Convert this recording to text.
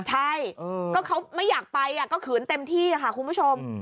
ใช่ก็เขาไม่อยากไปก็ขืนเต็มที่ค่ะคุณผู้ชม